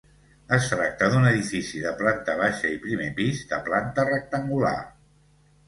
Es tracta d'un edifici de planta baixa i primer pis, de planta rectangular.